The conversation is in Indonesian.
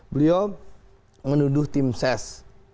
beliau menuduh tim ses